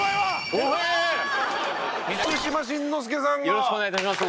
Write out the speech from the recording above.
よろしくお願いします！